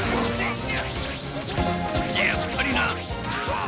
やっぱりな！